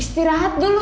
istirahat dulu reva